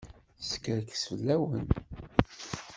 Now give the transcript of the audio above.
Teskerkes fell-awen.